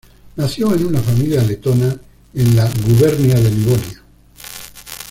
Nació en una familia letona en la Gubernia de Livonia.